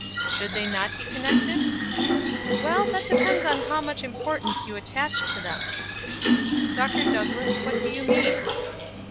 "Should they not be connected?" "Well, that depends upon how much importance you attach to them." "Dr. Douglass, what do you mean?"